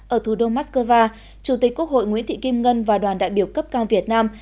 ở thủ đô moscow chủ tịch quốc hội nguyễn thị kim ngân và đoàn đại biểu cấp cao việt nam